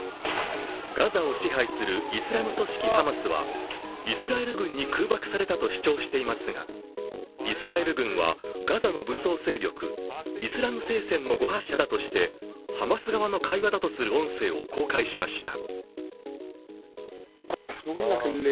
ガザを支配するイスラム組織ハマスは、イスラエル軍に空爆されたと主張していますがイスラエル軍はガザの武装勢力イスラム聖戦の誤発射だとしてハマス側の会話だとする音声を公開しました。